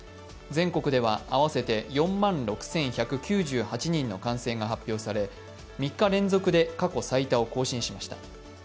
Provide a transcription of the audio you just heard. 全国では合わせて４万６１９８人の感染が発表され、３日連続で過去最多を更新しました。